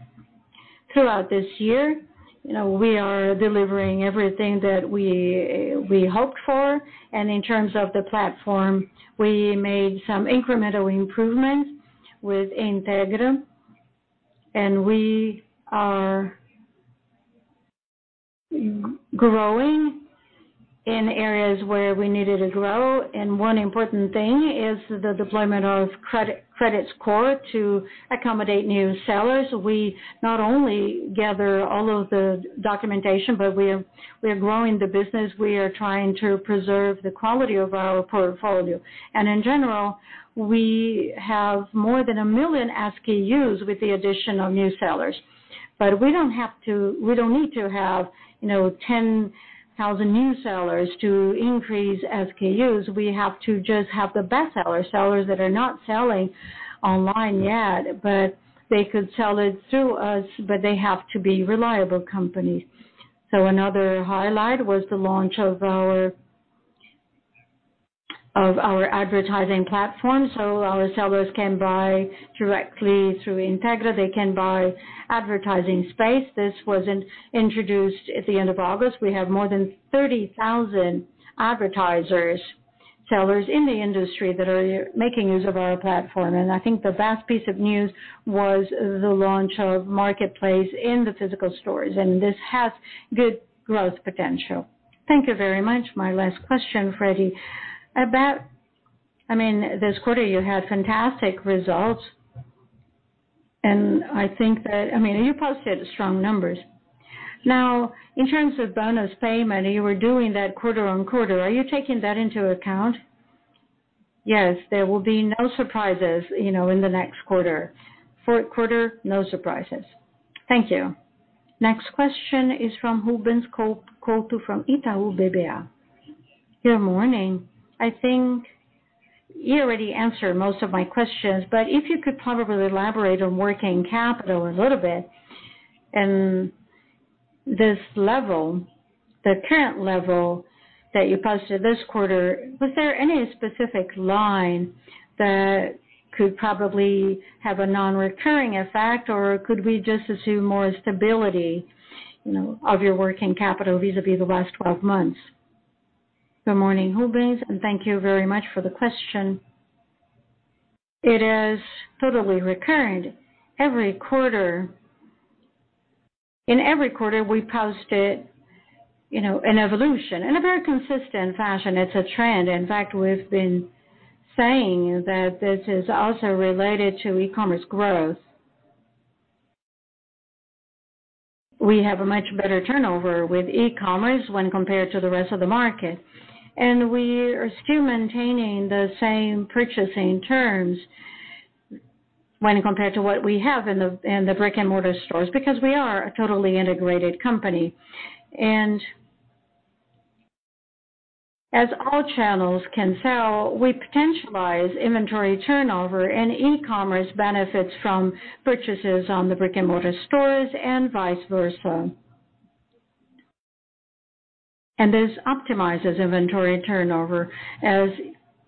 Throughout this year, we are delivering everything that we hoped for, in terms of the platform, we made some incremental improvements with Integra Commerce, we are growing in areas where we needed to grow, one important thing is the deployment of credit score to accommodate new sellers. We not only gather all of the documentation, but we are growing the business. We are trying to preserve the quality of our portfolio. In general, we have more than 1 million SKUs with the addition of new sellers. We don't need to have 10,000 new sellers to increase SKUs. We have to just have the best sellers that are not selling online yet, but they could sell it through us, but they have to be reliable companies. Another highlight was the launch of our Magalu Ads platform. Our sellers can buy directly through Integra Commerce. They can buy advertising space. This was introduced at the end of August. We have more than 30,000 advertisers, sellers in the industry that are making use of our platform. I think the best piece of news was the launch of Magalu Marketplace in the physical stores, this has good growth potential. Thank you very much. My last question, Fredi. This quarter you had fantastic results, and I think that you posted strong numbers. Now, in terms of bonus payment, you were doing that quarter-on-quarter. Are you taking that into account? Yes. There will be no surprises in the next quarter. fourth quarter, no surprises. Thank you. Next question is from Rubens Couto from Itaú BBA. Good morning. I think you already answered most of my questions. If you could probably elaborate on working capital a little bit. This level, the current level that you posted this quarter, was there any specific line that could probably have a non-recurring effect, or could we just assume more stability of your working capital vis-a-vis the last 12 months? Good morning, Rubens, and thank you very much for the question. It is totally recurring. In every quarter, we post it, an evolution in a very consistent fashion. It's a trend. In fact, we've been saying that this is also related to e-commerce growth. We have a much better turnover with e-commerce when compared to the rest of the market, and we are still maintaining the same purchasing terms when compared to what we have in the brick-and-mortar stores, because we are a totally integrated company. As all channels can sell, we potentialize inventory turnover, and e-commerce benefits from purchases on the brick-and-mortar stores and vice versa. This optimizes inventory turnover. As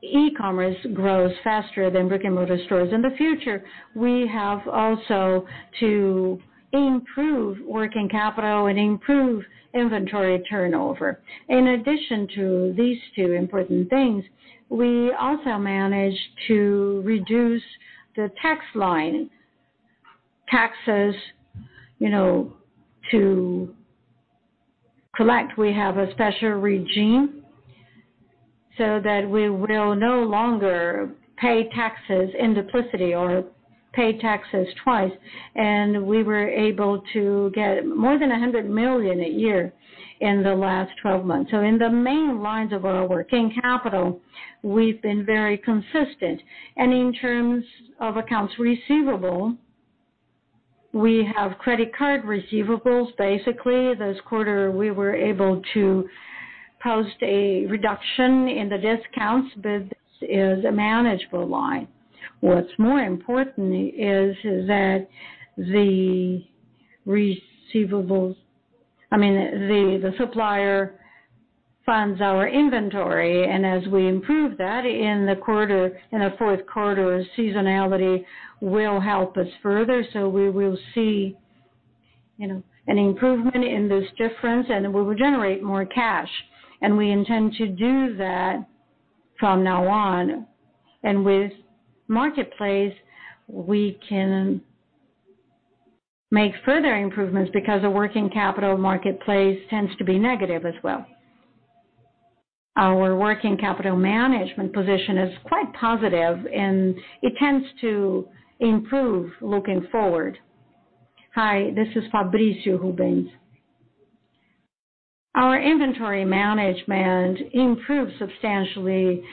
e-commerce grows faster than brick-and-mortar stores in the future, we have also to improve working capital and improve inventory turnover. In addition to these two important things, we also managed to reduce the tax line. Taxes, to collect, we have a special regime so that we will no longer pay taxes ind duplicity or pay taxes twice. We were able to get more than 100 million a year in the last 12 months. In the main lines of our working capital, we've been very consistent. In terms of accounts receivable, we have credit card receivables, basically. This quarter, we were able to post a reduction in the discounts, this is a manageable line. What's more important is that the supplier funds our inventory. As we improve that in the fourth quarter, seasonality will help us further. We will see an improvement in this difference and we will generate more cash. We intend to do that from now on. With marketplace, we can make further improvements because a working capital marketplace tends to be negative as well. Our working capital management position is quite positive, and it tends to improve looking forward. Hi, this is Fabrício Rubens. Our inventory management improved substantially.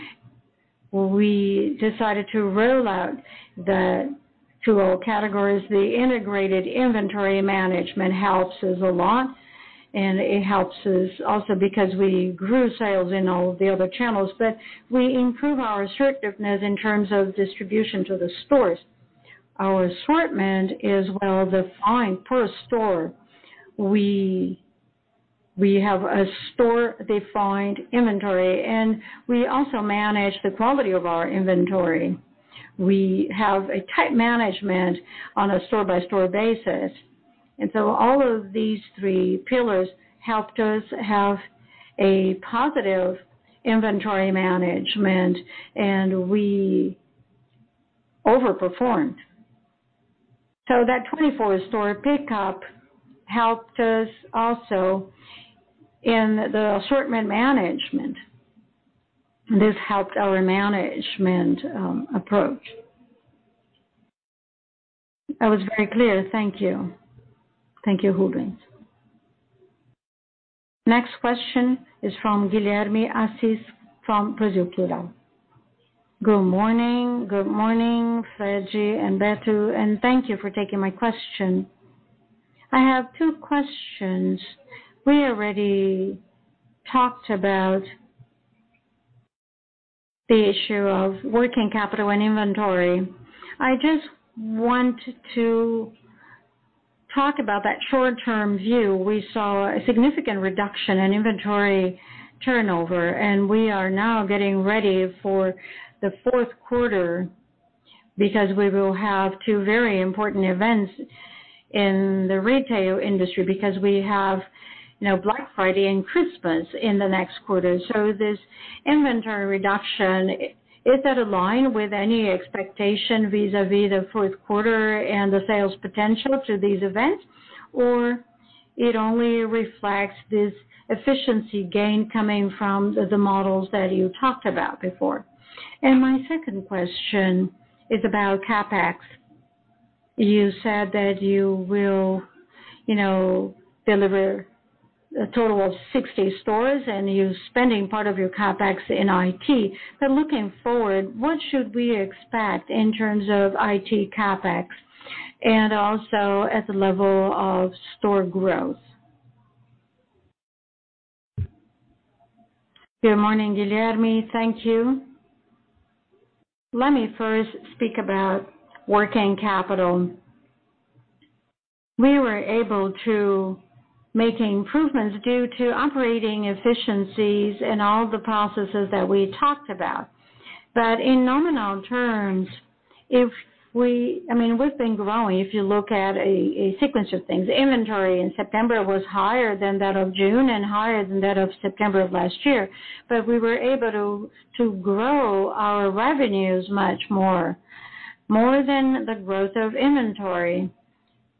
We decided to roll out the two old categories. The integrated inventory management helps us a lot, and it helps us also because we grew sales in all the other channels. We improve our assertiveness in terms of distribution to the stores. Our assortment is well-defined per store. We have a store-defined inventory, and we also manage the quality of our inventory. We have a tight management on a store-by-store basis. All of these three pillars helped us have a positive inventory management, and we overperformed. That 24-store pickup helped us also in the assortment management. This helped our management approach. That was very clear. Thank you. Thank you, Rubens. Next question is from Guilherme Assis from Brasil Plural. Good morning. Good morning, Fredi and Beto, and thank you for taking my question. I have two questions. We already talked about the issue of working capital and inventory. I just want to talk about that short-term view. We saw a significant reduction in inventory turnover, and we are now getting ready for the fourth quarter because we will have two very important events in the retail industry, because we have Black Friday and Christmas in the next quarter. This inventory reduction, is that aligned with any expectation vis-a-vis the fourth quarter and the sales potential to these events? It only reflects this efficiency gain coming from the models that you talked about before? My second question is about CapEx. You said that you will deliver a total of 60 stores and you're spending part of your CapEx in IT. Looking forward, what should we expect in terms of IT CapEx and also at the level of store growth? Good morning, Guilherme. Thank you. Let me first speak about working capital. We were able to make improvements due to operating efficiencies in all the processes that we talked about. In nominal terms, we've been growing, if you look at a sequence of things. Inventory in September was higher than that of June and higher than that of September of last year, but we were able to grow our revenues much more, more than the growth of inventory.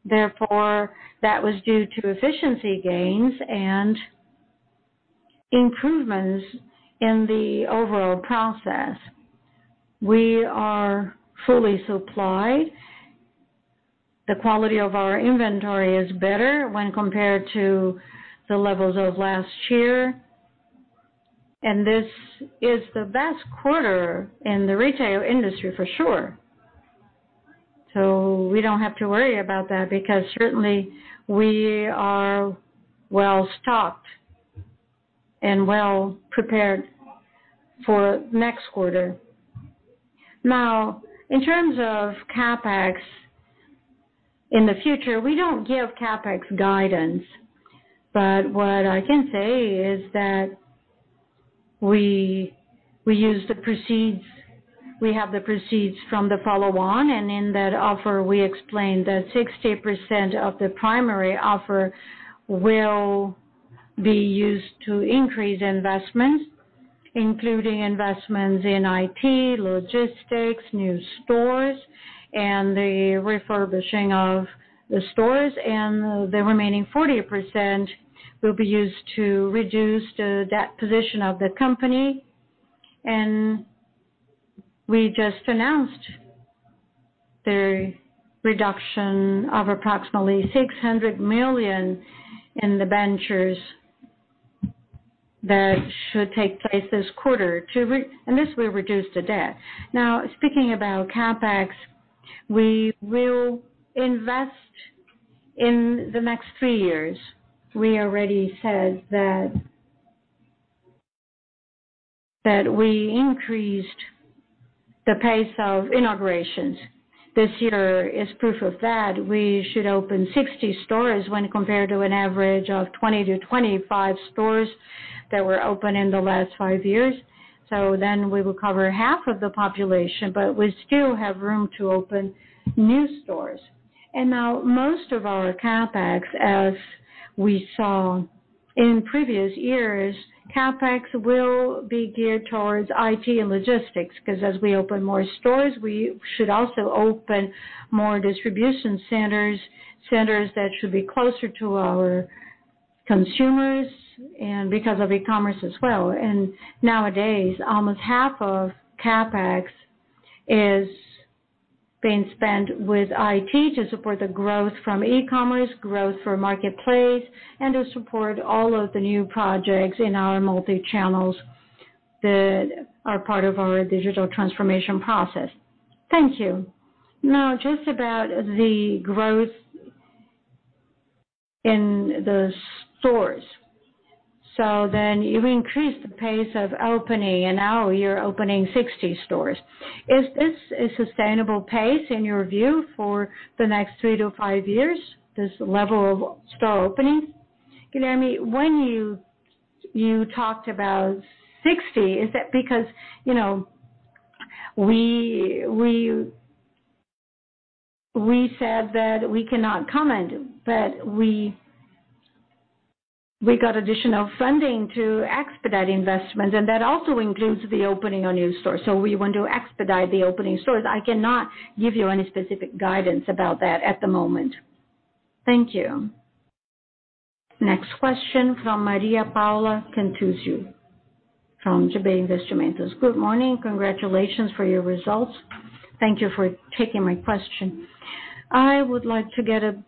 Therefore, that was due to efficiency gains and improvements in the overall process. We are fully supplied. The quality of our inventory is better when compared to the levels of last year, and this is the best quarter in the retail industry, for sure. We don't have to worry about that because certainly we are well-stocked and well-prepared for next quarter. In terms of CapEx in the future, we don't give CapEx guidance, but what I can say is that we have the proceeds from the follow-on, and in that offer, we explained that 60% of the primary offer will be used to increase investments, including investments in IT, logistics, new stores, and the refurbishing of the stores, and the remaining 40% will be used to reduce the debt position of the company. We just announced the reduction of approximately 600 million in the debentures that should take place this quarter, and this will reduce the debt. Speaking about CapEx, we will invest in the next three years. We already said that we increased the pace of inaugurations. This year is proof of that. We should open 60 stores when compared to an average of 20 to 25 stores that were opened in the last five years. We will cover half of the population, but we still have room to open new stores. Most of our CapEx, as we saw in previous years, CapEx will be geared towards IT and logistics, because as we open more stores, we should also open more distribution centers that should be closer to our consumers, and because of e-commerce as well. Almost half of CapEx is being spent with IT to support the growth from e-commerce, growth for marketplace, and to support all of the new projects in our multi-channels that are part of our digital transformation process. Thank you. Just about the growth in the stores. You increased the pace of opening, and now you're opening 60 stores. Is this a sustainable pace in your view for the next three to five years, this level of store opening? Guilherme, when you talked about 60, is that because we said that we cannot comment, but we got additional funding to expedite investment, and that also includes the opening of new stores. We want to expedite the opening stores. I cannot give you any specific guidance about that at the moment. Thank you. Next question from Maria Paula Cantusio from BB Investimentos. Good morning. Congratulations for your results. Thank you for taking my question. I would like to get a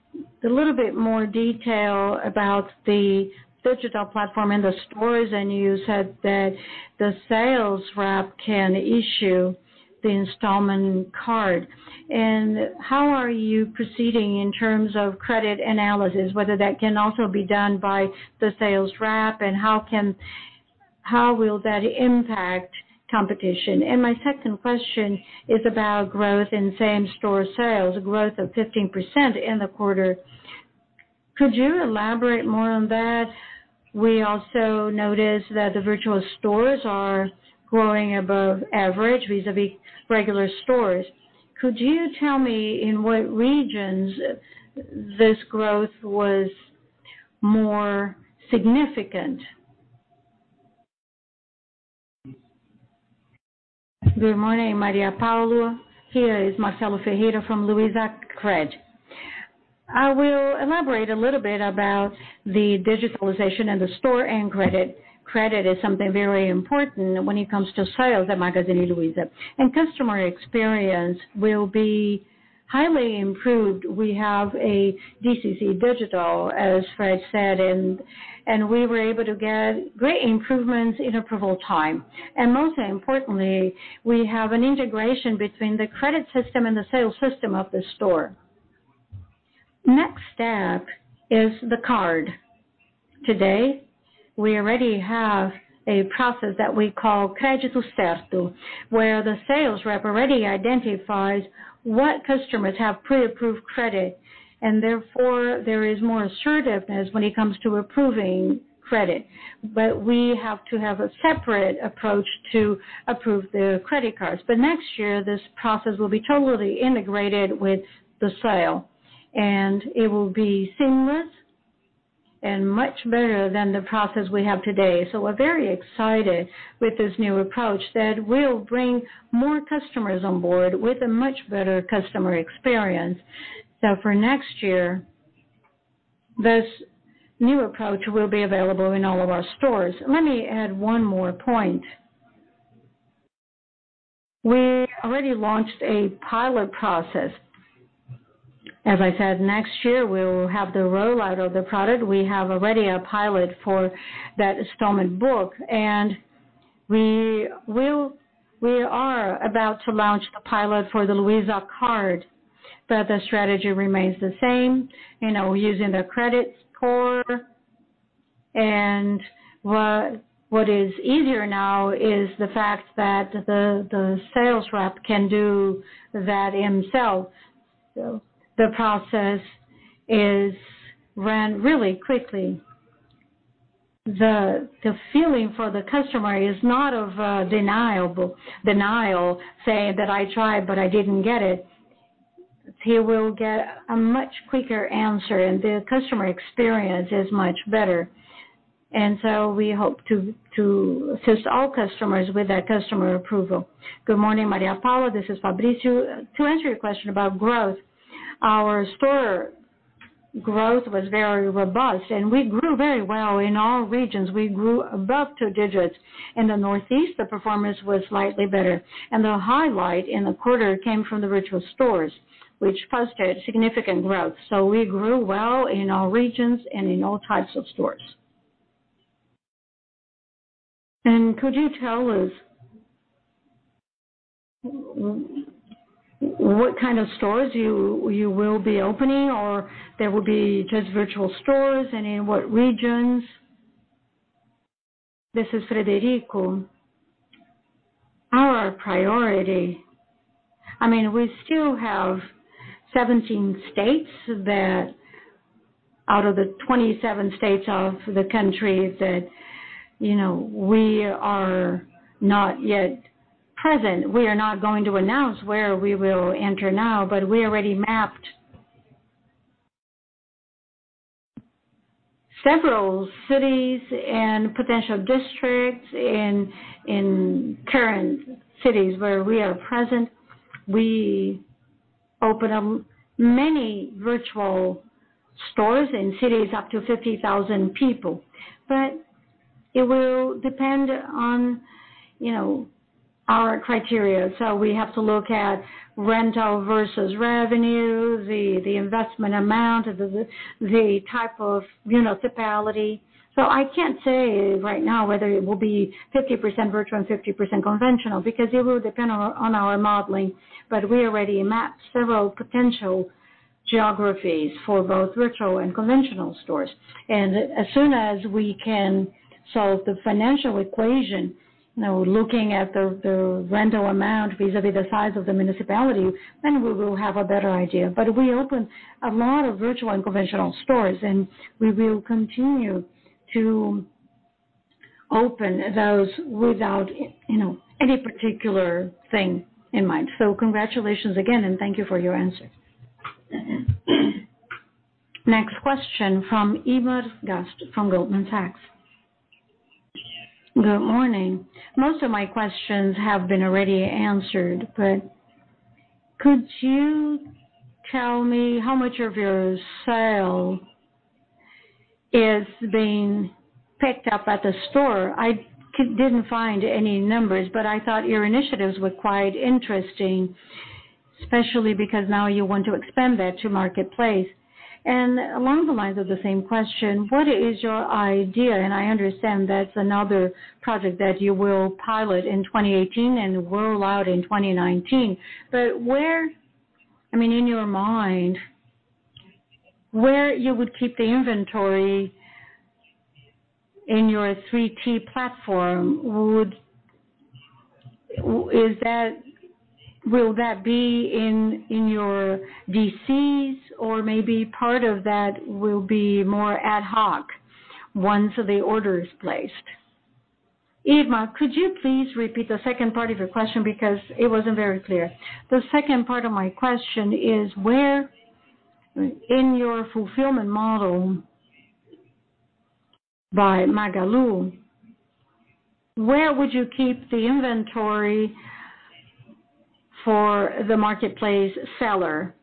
little bit more detail about the digital platform in the stores. You said that the sales rep can issue the installment card. How are you proceeding in terms of credit analysis, whether that can also be done by the sales rep, and how will that impact competition? My second question is about growth in same-store sales, growth of 15% in the quarter. Could you elaborate more on that? We also noticed that the virtual stores are growing above average vis-a-vis regular stores. Could you tell me in what regions this growth was more significant? Good morning, Maria Paula. Here is Marcelo Ferreira from Luizacred. I will elaborate a little bit about the digitalization and the store and credit. Credit is something very important when it comes to sales at Magazine Luiza. Customer experience will be highly improved. We have a CDC Digital, as Fred said, and we were able to get great improvements in approval time. Most importantly, we have an integration between the credit system and the sales system of the store. Next step is the card. Today, we already have a process that we call where the sales rep already identifies what customers have pre-approved credit, and therefore there is more assertiveness when it comes to approving credit. We have to have a separate approach to approve the credit cards. Next year, this process will be totally integrated with the sale, and it will be seamless and much better than the process we have today. We're very excited with this new approach that will bring more customers on board with a much better customer experience. For next year, this new approach will be available in all of our stores. Let me add one more point. We already launched a pilot process. As I said, next year we will have the rollout of the product. We have already a pilot for that installment book, and we are about to launch the pilot for the Cartão Luiza. The strategy remains the same, using the credit score. What is easier now is the fact that the sales rep can do that himself. The process is run really quickly. The feeling for the customer is not of a denial, saying that I tried, but I didn't get it. He will get a much quicker answer, and the customer experience is much better. We hope to assist all customers with that customer approval. Good morning, Maria Paula. This is Fabrício. To answer your question about growth, our store growth was very robust, and we grew very well in all regions. We grew above two digits. In the Northeast, the performance was slightly better. The highlight in the quarter came from the virtual stores, which posted significant growth. We grew well in all regions and in all types of stores. Could you tell us what kind of stores you will be opening, or there will be just virtual stores? In what regions? This is Frederico. Our priority. We still have 17 states that out of the 27 states of the country that we are not yet present. We are not going to announce where we will enter now, but we already mapped several cities and potential districts in current cities where we are present. We open up many virtual stores in cities up to 50,000 people. It will depend on our criteria. We have to look at rental versus revenue, the investment amount, the type of municipality. I can't say right now whether it will be 50% virtual and 50% conventional, because it will depend on our modeling, but we already mapped several potential geographies for both virtual and conventional stores. As soon as we can solve the financial equation, looking at the rental amount vis-a-vis the size of the municipality, then we will have a better idea. We open a lot of virtual and conventional stores, and we will continue to open those without any particular thing in mind. Congratulations again, and thank you for your answer. Next question from Irma Sgarz from Goldman Sachs. Good morning. Most of my questions have been already answered, but could you tell me how much of your sale is being picked up at the store? I didn't find any numbers, I thought your initiatives were quite interesting, especially because now you want to expand that to marketplace. Along the lines of the same question, what is your idea, and I understand that's another project that you will pilot in 2018 and roll out in 2019. Where, in your mind, where you would keep the inventory in your 3P platform? Will that be in your DCs, or maybe part of that will be more ad hoc once the order is placed? Irma, could you please repeat the second part of your question because it wasn't very clear? The second part of my question is where in your fulfillment model by Magalu, where would you keep the inventory for the marketplace seller?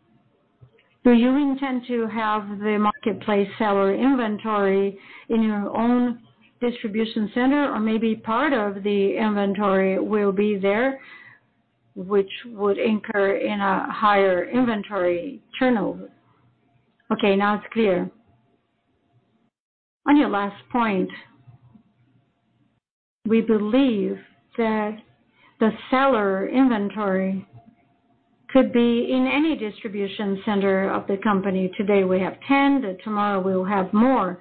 Do you intend to have the marketplace seller inventory in your own distribution center, or maybe part of the inventory will be there, which would incur in a higher inventory turnover? Okay, now it's clear. On your last point. We believe that the seller inventory could be in any distribution center of the company. Today we have 10, then tomorrow we'll have more.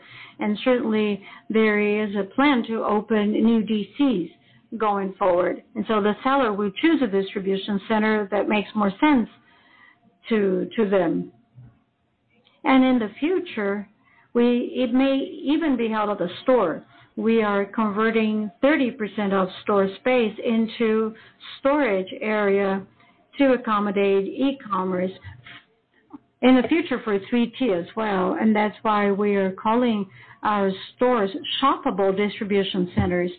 Certainly, there is a plan to open new DCs going forward. The seller will choose a distribution center that makes more sense to them. In the future, it may even be out of the store. We are converting 30% of store space into storage area to accommodate e-commerce, in the future for 3P as well, and that's why we are calling our stores shoppable distribution centers.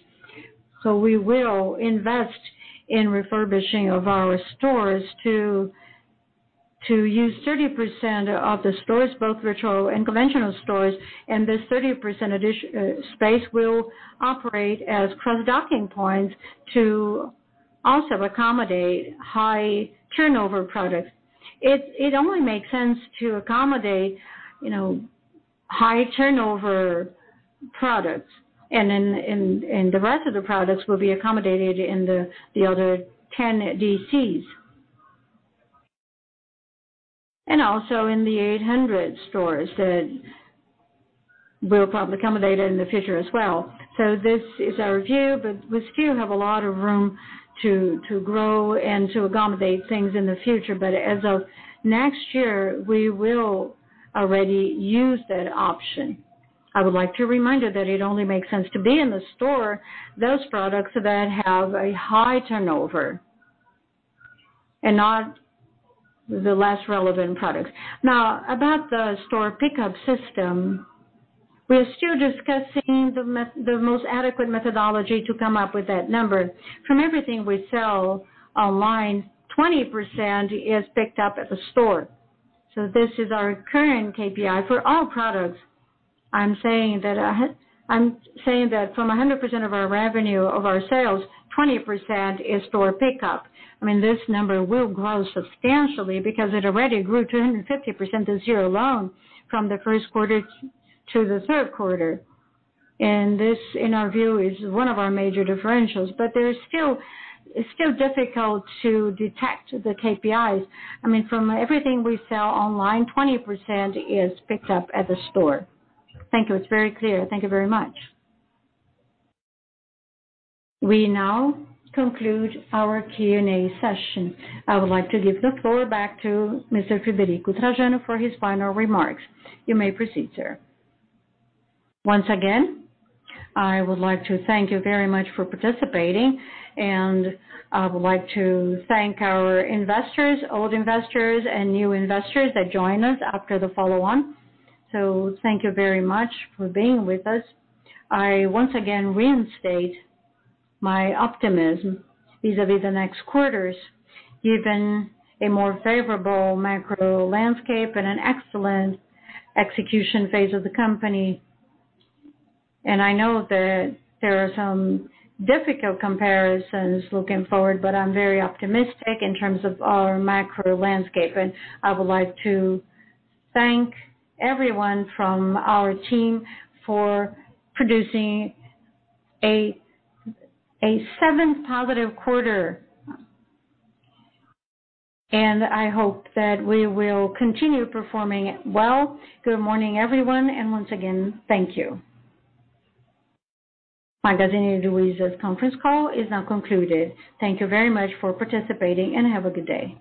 We will invest in refurbishing of our stores to use 30% of the stores, both virtual and conventional stores, and this 30% space will operate as cross-docking points to also accommodate high-turnover products. It only makes sense to accommodate high-turnover products. The rest of the products will be accommodated in the other 10 DCs. Also in the 800 stores that will probably accommodate in the future as well. This is our view, but we still have a lot of room to grow and to accommodate things in the future. As of next year, we will already use that option. I would like to remind you that it only makes sense to be in the store, those products that have a high turnover and not the less relevant products. About the store pickup system, we are still discussing the most adequate methodology to come up with that number. From everything we sell online, 20% is picked up at the store. This is our current KPI for all products. I am saying that from 100% of our revenue of our sales, 20% is store pickup. This number will grow substantially because it already grew 250% this year alone from the first quarter to the third quarter, and this, in our view, is one of our major differentials. It is still difficult to detect the KPIs. From everything we sell online, 20% is picked up at the store. Thank you. It is very clear. Thank you very much. We now conclude our Q&A session. I would like to give the floor back to Mr. Frederico Trajano for his final remarks. You may proceed, sir. Once again, I would like to thank you very much for participating, and I would like to thank our investors, old investors and new investors that joined us after the follow-on. Thank you very much for being with us. I once again reinstate my optimism vis-à-vis the next quarters, given a more favorable macro landscape and an excellent execution phase of the company. I know that there are some difficult comparisons looking forward, but I am very optimistic in terms of our macro landscape. I would like to thank everyone from our team for producing a seventh positive quarter. I hope that we will continue performing well. Good morning, everyone, and once again, thank you. Magazine Luiza's conference call is now concluded. Thank you very much for participating, and have a good day.